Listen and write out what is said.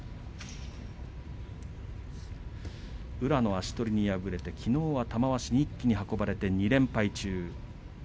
宇良の足取りに敗れてきのうは玉鷲に一気に運ばれて２連敗中。